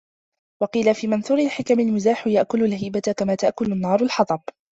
وَقِيلَ فِي مَنْثُورِ الْحِكَمِ الْمِزَاحُ يَأْكُلُ الْهَيْبَةَ كَمَا تَأْكُلُ النَّارُ الْحَطَبَ